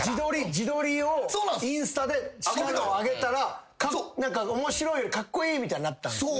自撮りをインスタで上げたら面白いよりカッコイイみたいになったんすね。